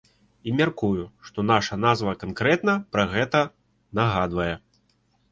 І мяркую, што наша назва канкрэтна пра гэта нагадвае.